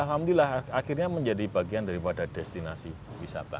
akhirnya menjadi bagian dari pada destinasi wisata